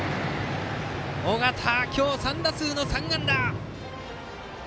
尾形、今日３打数３安打！